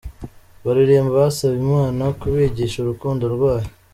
Baririmba basaba Imana kubigisha urukundo rwayo.